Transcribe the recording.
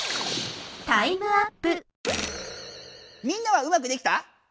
みんなはうまくできた？